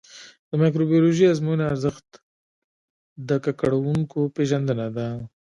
د مایکروبیولوژیکي ازموینې ارزښت د ککړونکو پېژندنه ده.